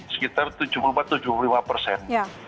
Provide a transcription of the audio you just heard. sekitar tujuh puluh empat tujuh puluh lima persen